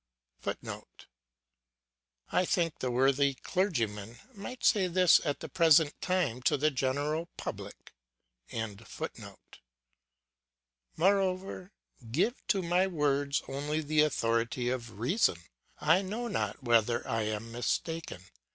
[Footnote: I think the worthy clergyman might say this at the present time to the general public.] Moreover, give to my words only the authority of reason; I know not whether I am mistaken.